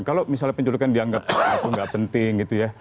kalau misalnya penculikan dianggap itu nggak penting gitu ya